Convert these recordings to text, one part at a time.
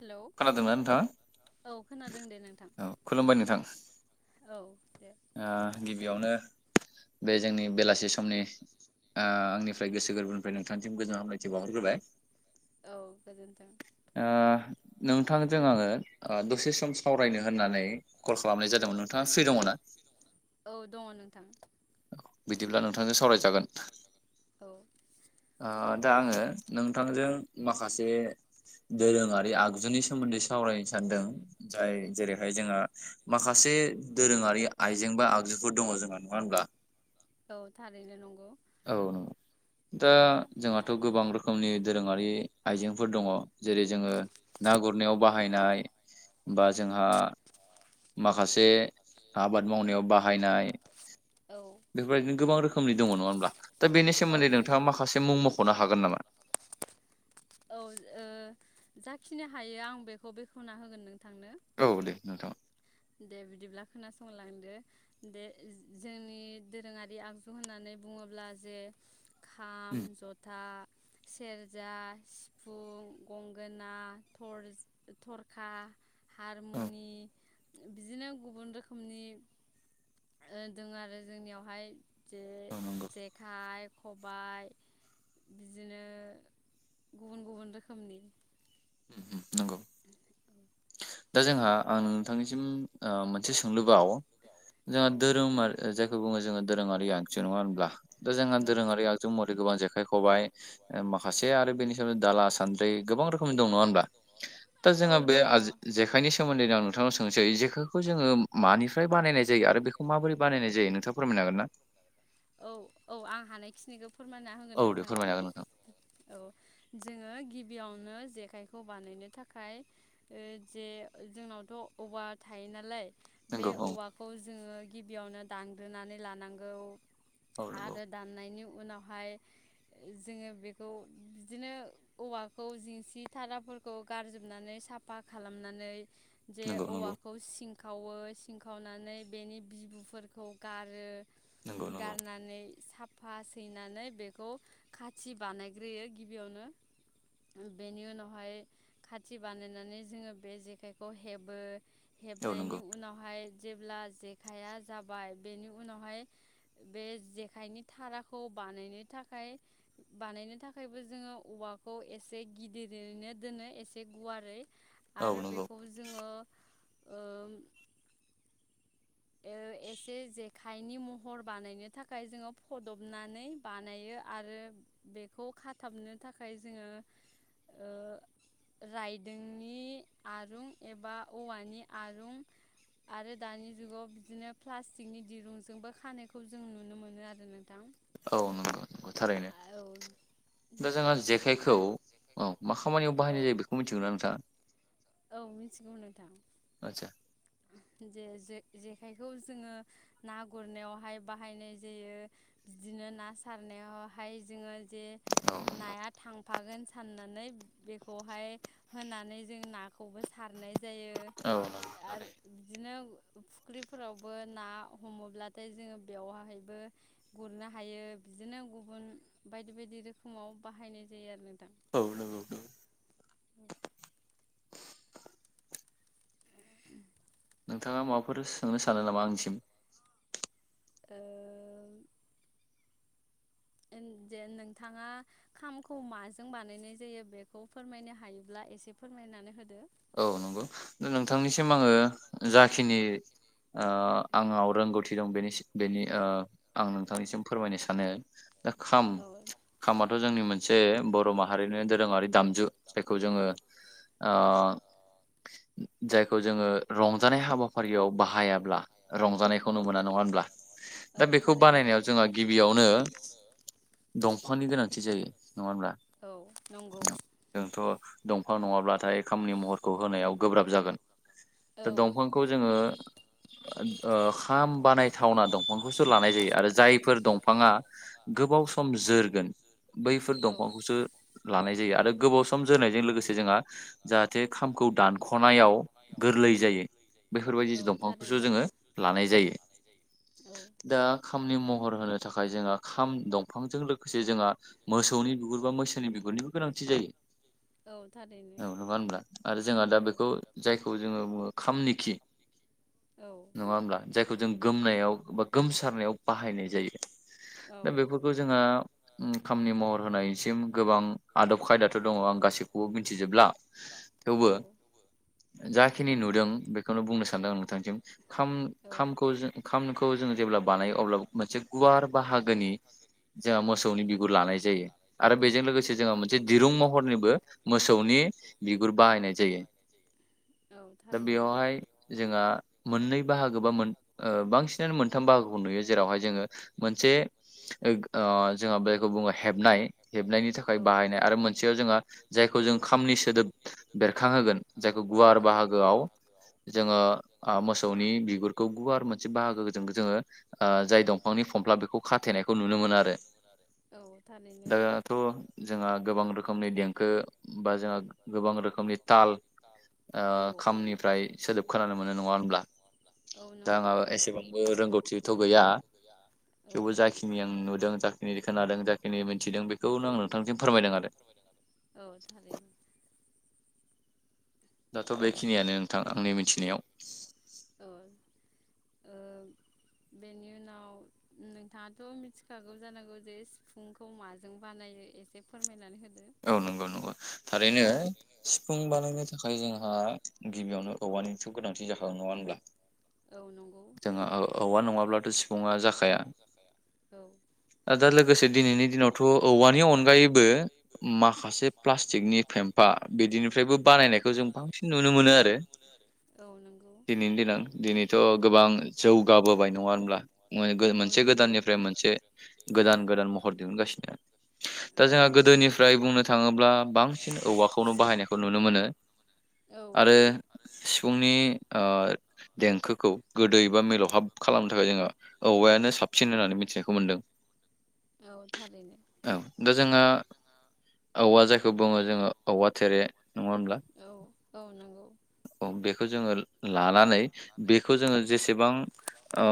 Hello खोनादोंना नोंथाङा औ खोनादों दे नोंथां औ खुलुमबाय नोंथां औ दे ओ गिबियावनो बे जोंनि बेलासि समनि ओ आंनिफ्राय गोसो गोरबोनिफ्राय नोंथांनिसिम गोजोन हामलायथि बावहरग्रोबाय औ गोजोन्थों ओ नोंथांजों आङो ओ दसे सम सावरायनो होननानै कल खालामनाय जादोंमोन नोंथाङा फ्रि दङ ना? औ दङ नोंथां बिदिब्ला नोंथांजों सावरायजागोन औ ओ दा आङो नोंथांजों माखासे दोरोङारि आगजु आगजुनि सोमोन्दै सावरायनो सानदों जाय जेरैहाय जोंहा माखासे दोरोङारि आइजें बा आगजुफोर दङ जोंहा नङा होनब्ला औ थारैनो नंगौ औ नंगौ दा जोंहाथ गोबां रोखोमनि दोरोङारि आइजेंफोर दङ जेरै जोङो ना गुरनायाव बाहायनाय बा जोंहा माखासे आबाद मावनायाव बाहायनाय औ नि दङ नङा हब्ला दा बेनि औ सोमोन्दै नोंथाङा नंगौ माखासे मुं मखनो हागोन नामा? औ ओ जाखिनि हायो आं बेखौ बेखेवना होगोन नोंथां नों। औ दे नोंथाङा थांनो दे बिदिब्ला खोनासंलांदो। दे जोंनि दोरोङारि आगजु होननानै बुङोब्ला जे उम खाम जथा सेरजा सिफुं गंगोना थरस थरखा औ हारमुनि बिदिनो गुबुन रोखोमनि दो आरो जोंनियावहाय। जेरै औ नंगौ जेखाय खबाय बिदिनो गुबुन गुबुन रोखोमनि नंगौ [unintelligible] दा जोंहा आं नोंथांनिसिम मोनसे सोंलु ओवाव जोंहा औ दोरोम आरो जायखौ बुङो जोङो दोरोङारि आगजु नङा होनब्ला दा जोंहा औ दोरोङारि आगजु महरै गोबां जेखाय खबाय ओ माखासे आरो बेनि सायावनो दाला सान्द्रै गोबां रो खम दं नङा होनब्ला दा औ जोंहा बे दङ आजि जेखायनि सोमोन्दै आ नोंथांनाव सोंनोसै जेखायखौ जोङो मानिफ्राय बानायनाय जायो आरो बेखौ माबोरै बानायनाय जायो नोंथाङा फोरमायनो हागोन ना? औ औ आं हानायखिनिखौ फोरमायना होगोन औ दे नोंथांनो फोरमायनो हागोन नोंथां औ जोङो गिब गिबियावनो जेखायखौ बानायनो थाखाय ओ जे जोंनावथ औवा थायो नालाय बे नंगौ औ औवाखौ जोङो गिबियावनो दानग्रोनानै लानांगौ औ नंगौ आरो दान नायनि उन उनावहाय जोङो बेखौ बिदिनो औवाखौ जिंसि थाराफोरखौ गारजोबनानै साफा खालामनानै जे नंगौ नंगौ औवाखौ सिं खावो सिंखावनानै बेनि बिबुफोरखौ गारो नंगौ नंगौ गारनानै साफ फासैनानै बेखौ खाथि बानायग्रोयो गिबियावनो बेनि उनावहाय खाथि बानायनानै जोङो बे जेखाइखौ हेबो औ हेबनायनि नंगौ उनावहाय जेब्ला जेखाइया जाबाय बेनि उनावहाय बे जेखाइनि थाराखौ बानायनो थाखाय बानायनो थाखायबो जोङो औवाखौ एसे गिदिरैनो दोनो एसे गुवारै औ आरो नंगौ बेखौ जोङो एउ एसे जेक खायनि महर बानायनो थाखाय जोङो फदबनानै बानायो आरो बेखौ खाथाबनो थाखाय जोङो ओ रायदोंनि आरुं एबा औवानि आरुं आरो दानि जुगाव बिदिनो प्लास्टिकनि दिरुंजोंबो खानायखौ जों नुनो मोनो आरो ना औ नंगौ नंगौ थारैनो औ दा जोंहा जेखाइखौ आं औ मा खामानियाव औ बाहायनाय जायो बेखौ मिथिगौना नोंथाङा? औ मिथिगौ नोंथां। आदसा जे-जे-जेखायखौ जोङो ना गुरनायावहाय बाहायनाय जायो। बिदिनो ना सारनायावहाय जोङो जे औ नाया थांफागोन साननानै बेखौहाय होनानै जों नाखौबो सारनाय जायो औ नंगौ थारैनो आरो बिदिनो फुख्रिफोरावबो ना हमोब्लाथाय जोङो बेवहाहायबो गुरनो हायो बिदिनो गुबुन बायदि बायदि रोखोमाव बाहायनाय जायो आरो नोंथां। औ नंगौ [inaudible] नोंथाङा माबाफोर सोंनो सानो नामा आंनिसिम ओ औ जेन नोंथाङा खामखौ माजों बानायनाय जायो बेखौ फोरमायनो हायोब्ला एसे फोरमायनानै होदो। औ नंगौ दा नोंथांनिसिम आङो जाखिनि ओ आंनाव रोंगौथि दं बेनि बेनि ओ आं नोंथांनिसिम फोरमायनो सानो दा खाम औ खामाथ' जोंनि मोन मोनसे बर' माहारिनो दोरोङारि दामजु जायखौ जोङो ओ जायखौ जोङो रंजानाय हाबाफारियाव बाहायाब्ला औ रंजानायखौनो मोना नङा होनब्ला औ दा बेखौ थारैनो बानायनायाव जोंहा गिबियावनो दंफांनि गोनांथि जायो नङा होनबा। औ नंगौ दंफां नङाब्लाथाय खामनि महर खौ होनायाव गोब्राब जागोन औ दा दंफांखौ जोङो ओ खाम बानायथावना दंफांखौसो लानाय जायो आरो जाय फोर दंफाङा गोबाव सम जोरगोन बैफोर औ दंफांखौसो लानाय जायो आरो गोबाव सम जोरनायजों लोगोसे जोंहा जाहाथे खामखौ दानख'नायाव गोरलै जायो बेफोरबायदि औ दंफांखौसो थारैनो जोङो लानाय जायो। औ दा खामनि महर होनो थाखाय जोङो खाम दंफांजों लोगोसे जोंहा मोसौनि बिगुर बा मैसोनि बिगुरनिबो गोनांथि जायो। औ थारैनो औ नङा होनब्ला आरो जोंहा दा औ बेखौ जायखौ जोङो बुङो खामनि खि औ नङा होनब्ला जा यखौ जों गोमनायाव बा गोमसारनायाव बाहायनाय जायो औ दा बेफोरखौ जोंहा ओ खामनि महर होनाय सिम गोबां आदब खायदाथ' दङ आं गासैखौबो मिथिजोबला थेवबो औ जाखिनि नुदों बेखौनो बुंनो सानदों आं नोंथांसिम औ खाम-खामखौ जों खामखौ जों जेब्ला बानायो अब्ला मोनसे गुवार बाहागोनि जोंहा मोसौनि बिगुर लानाय जायो आरो बेजों लोगोसे मोनसे दिरुं महरनिबो मोसौनि बि गुर बाहायनाय जायो। औ दा थारैनो बेयावहाय जोंहा मोननै बाहागो बा मोन बांसिनानो मोनथाम बाहागोखौ नुयो जेरावहाय जोङो मोनसे ओ जोंहा बेखौ बुङो हेबनाय हेबनायनि थाखाय थाखाय औ बाहायनाय आरो मोनसेयाव जोंहा जायखौ जों खामनि सोदोब बेरखांहोगोन जायखौ गुवार औ बाहागोआव जोङो ओ मोसौनि बिगुरखौ गुवार मोनसे बाहागोजों जोङो ओ जाय दंफांनि फमफ्ला बेखौ खाथेनायखौ नुनो मोनो आरो औ थारैनो दाथ' जोंहा गोबां रोखोमनि देंखो बा जों गोबां रोखोमनि ताल औ ओ खामनिफ्राय सोदोब खोनानो मोनो नङा होनब्ला? सोदोब औ दा नंगौ आंहा एसेबांबो रोंगौथिथ' गैया औ थेवबो जाखिनि आं नुदों जाखिनि खोनादों जाखिनि मोनथिदों बे खौनो आं नोंथांनिसिम फोरमायदों आरो। औ थारैनो दाथ' बेखिनियानो नोंथां आंनि मिथिनायाव। औ ओ बेनि उनाव नोंथाङाथ' मिथिखागौ जानांगौ जे सिफुंखौ माजों बानायो एसे फोरमायनानै होदो औ नंगौ नंगौ थारैनो सिफुं बानायनो थाखाय जोंहा गिबियावनो औवानिथ' गोनांथि जाखागोन नङा होनब्ला? औ नंगौ जोंहा औ-औवा नङाब्लाथ' सिफुङा जाखाया औ आ दा लोगोसे दिनैनि दिनावथ' औवानि अनगायैबो माखासे प्लास्टिकनि फेम्फा बिदिनिफ्रायबो बानायनायखौ जों बांसिन नुनो मोनो आरो औ नंगौ दिनैनि देनां दिनै थ गोबां जौगाबोबाय नङा होनब्ला औ मो-मोनसे नंगौ गोदाननिफ्राय मोनसे गोदान गोदान महर दिहुनगासिनो। दा औ जोंहा थारैनो गोदोनि फ्राय बुंनो थाङोब्ला बांसिन औवाखौनो बाहायनायखौ नुनो मोनो औ आरो सिफुंनि ओ देंखोखौ गोदै बा मिलौहाब खालामनो थाखाय जोंहा औवायानो साबसिन होननानै मिथिनायखौ मोनदों। औ थारैनो औ दा जोंहा औवा जायखौ बुङो जोङो औवा थेरे नङा होनब्ला? औ औ नंगौ औ बेखौ जोङो ला-लानानै बेखौ जोङो जेसेबां ओ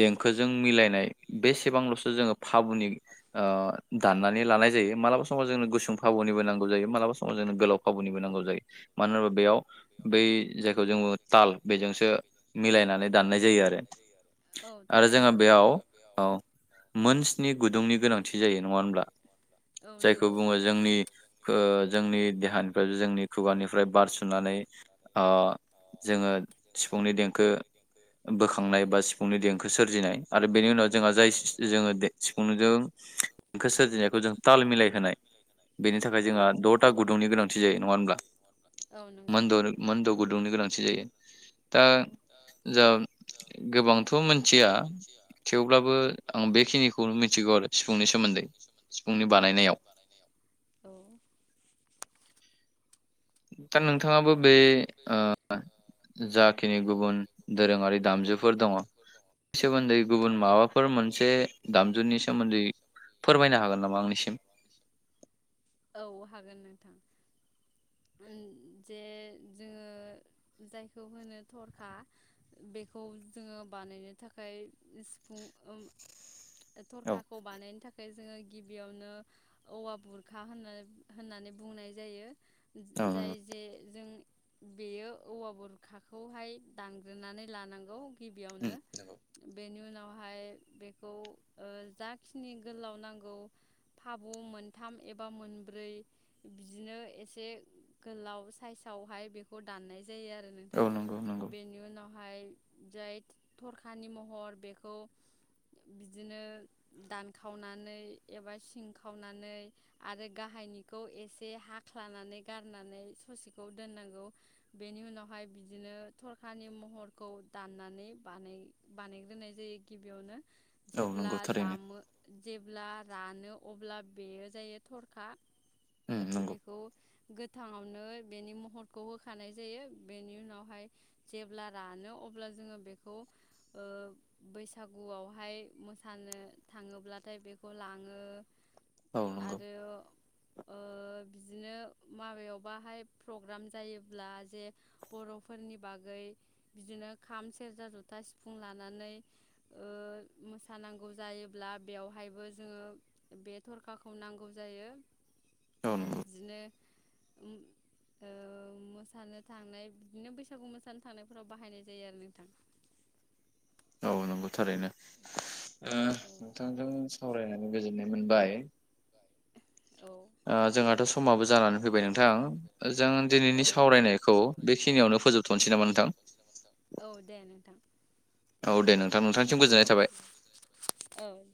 देंखोजों मिलायनाय बेसेबांल'सो जोङो फाबुनि ओ दानानै लानाय मालाबा समाव जोंनो गुसुं फाबुनिबो नांगौ जायो मालाबा समाव जोंनो गोलाव फाबुनिबो नांगौ जायो मानो होनबा बेयाव बै जायखौ जों ताल बेजोंसो मिलायनानै दाननाय जायो आरो औ आरो थारैनो जोंहा नंगौ बेयाव ओ मोन स्नि नि गुदुंनि गोनांथि जायो नङा होमब्ला? औ जायखौ नंगौ बुङो जोंनि ओ जोंनि देहानिफ्राय जोंनि खुगानिफ्राय बारसुनानै ओ जोङो सिफुंनि देंखो बोखांनाय बा सिफुंनि देंखो सोरजिनाय आरो बेनि उनाव जोंहा जाय जोङो जों खो सोरजिनायखौ जों ताल मिलाय होनाय बेनि थाखाय औ जोंहा द'था गुदुंनि गोनांथि जायो नङा होनब्ला? औ नंगौ मोनद' मोनद' गुदुंनि गोनांथि जायो। दा औ जा गोबांथ' मोनथिया थेवब्लाबो आं बेखिनिखौ नो मिथिगौ आरो सिफुंनि सोमोन्दै सिफुंनि बानायनायाव। बानायनायाव औ। [inaudible] दा नोंथाङाबो बे ओ जाखिनि गुबुन दोरोङारि दामजुफोर दङ' बेनि सोमोन्दै गुबुन माबाफोर मोनसे दामजुनि सोमोन्दै फोरमायनो हागोन नामा आंनिसिम? उ। जे जोङो जायखौ होनो थरखा बेखौ जोङो बानायनो थाखाय सिफुं औ थरखाखौ बानायनो थाखाय जोङो गिबियावनो औवा बुरखा होनो होननानै बुंनाय जायो। औ जाय जों बेयो औवा बुरखाखौहाय दानग्रोनानै लानांगौ। उम गिबियावनो नंगौ बेनि उनाव बेहाय बेखौ जाखिनि गोलाव नांगौ फाबु मोनथाम एबा मोनब्रै बिदिनो एसे गोलाव साइसावहाय बेखौ दाननाय जायो। जायो आरो औ नोंथां नंगौ नंगौ बेनि उनाव फाय जाय थरखानि महर बेखौ बिदिनो दानखावनानै एबा सिं खावनानै आरो गाहायनिखौ एसे हाख्लानानै गार नानै ससेखौ दोननांगौ बेनि उनावहाय बिदिनो थरखानि महरखौ दाननानै बानाय बानायग्रोनाय जायो गिबियावनो औ जेब्ला नंगौ थारैनो दामो जे अब्ला रानो अब्ला बेयो जायो थरखा उम नंगौ बेखौ गोथाङावनो बेनि महरखौ होखानाय जायो बेनि उनावहाय जेब्ला रानो अब्ला जोङो बेखौ बैसागुआवहाय मोसानो थाङोब्लाथाय बेखौ लाङो औ नंगौ आरो ओ बिदिनो माबायावबाहाय प्रग्राम जायोब्ला जे बर'फोरनि बागै बिदिनो खाम सेरजा जथा सिफुं लानानै ओ मोसानांगौ जायोब्ला बेवहायबो जोङो बे थरखाखौ नांगौ जायो औ नंगौ बिदिनो मोसानो थांनाय बिदिनो बैसागु मोसानो थांनायफोराव बाहायनाय जायो आरो नोंथां औ नंगौ थारैनो। नोंथां नोंथांजों सावरायनाय गोजोननाय मोनबाय औ जोंहाथ समाबो जानानै फैबाय नोंथां जों औ दिनैनि सावरायनायखौ बेखिनियावनो फोजोबथनोसै नामा नोंथां औ दे नोंथां औ दे नोंथां नोंथांनिसिम गोजोननाय थाबाय। औ